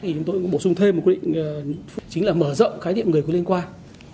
chúng tôi cũng bổ sung thêm một quy định chính là mở rộng khái niệm người có liên quan